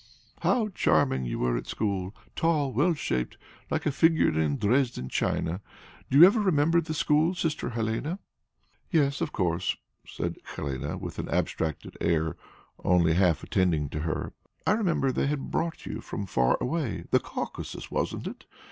"How charming you were at school! Tall, well shaped, like a figure in Dresden china. Do you ever remember the school, Sister Helene?" "Yes, of course," said Helene, with an abstracted air, only half attending to her. "I remember they had brought you from far away the Caucasus, wasn't it?